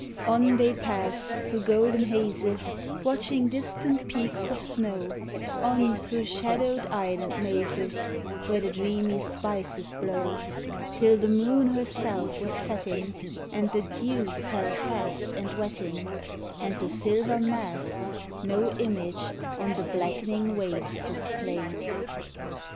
On they passed through golden hazes, Watching distant peaks of snow, On through shadowed island mazes, Where the dreamy spices blow; Till the moon herself was setting, And the dew fell fast and wetting, And the silver masts no image on the blackening waves displayed.